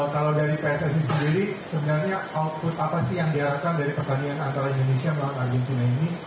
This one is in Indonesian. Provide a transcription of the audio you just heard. kalau dari pssi sendiri sebenarnya output apa sih yang diharapkan dari pertanian antara indonesia melalui argentina ini